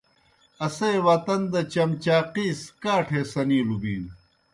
اسے وطن دہ چمچاقِیس کاٹھے سنِیلوْ بِینوْ۔